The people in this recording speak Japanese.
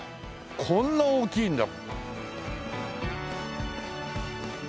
こんな大きいんだ。